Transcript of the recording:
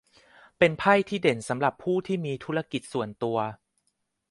เป็นไพ่ที่เด่นสำหรับผู้ที่มีธุรกิจส่วนตัว